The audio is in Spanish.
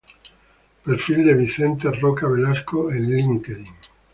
Perfil de Vicente Roca Velasco en Linkedin